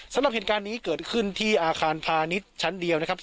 สำหรับเหตุการณ์นี้เกิดขึ้นที่อาคารพาณิชย์ชั้นเดียวนะครับ